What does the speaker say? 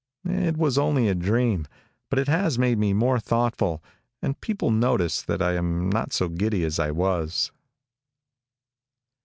It was only a dream, but it has made me more thoughtful, and people notice that I am not so giddy as I was.